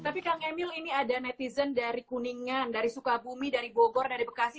tapi kang emil ini ada netizen dari kuningan dari sukabumi dari bogor dari bekasi